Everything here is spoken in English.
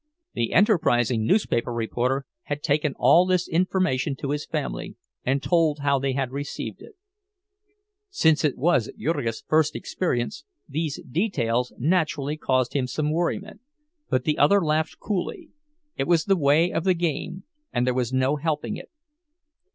The enterprising newspaper reporter had taken all this information to his family, and told how they had received it. Since it was Jurgis's first experience, these details naturally caused him some worriment; but the other laughed coolly—it was the way of the game, and there was no helping it.